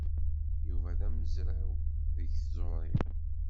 Yuba d amezraw deg tẓuṛi.